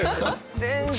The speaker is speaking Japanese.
全然。